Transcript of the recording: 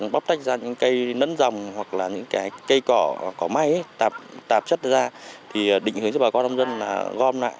bóc tách ra những cây nẫn dòng hoặc là những cây cỏ có may tạp chất ra thì định hướng cho bà con nông dân là gom lại